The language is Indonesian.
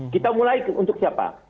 kita mulai untuk siapa